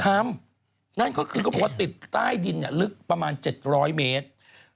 ทำนั่นก็คือก็บอกว่าติดใต้ดินเนี่ยลึกประมาณ๗๐๐เมตร